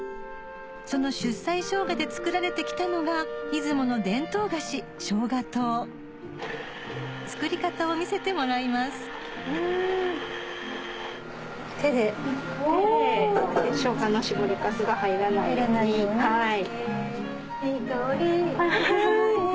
その出西生姜で作られてきたのが出雲の伝統菓子生姜糖作り方を見せてもらいますいい香り。